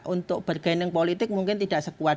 untuk bergening politik mungkin tidak sekuat